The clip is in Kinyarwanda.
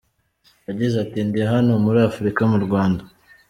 Yagize ati “Ndi hano muri Afuruka, mu Rwanda.